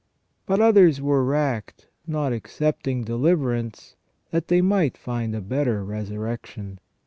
But others were racked, not accepting deliverance, that they might find a better resurrection.